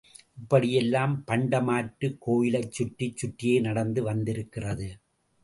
இப்படியெல்லாம் பண்ட மாற்று கோயிலைச் சுற்றிச் சுற்றியே நடந்து வந்திருக்கிறது.